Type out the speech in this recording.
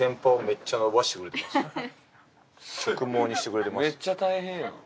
めっちゃ大変やん。